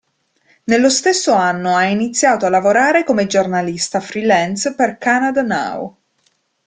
Nello stesso anno ha iniziato a lavorare come giornalista freelance per "Canada Now".